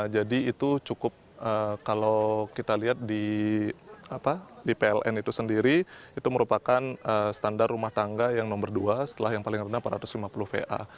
jadi itu cukup kalau kita lihat di pln itu sendiri itu merupakan standar rumah tangga yang nomor dua setelah yang paling rendah empat ratus lima puluh va